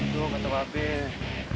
tuh nggak tau apa apa ya